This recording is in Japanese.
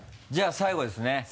じゃあ最後ですね。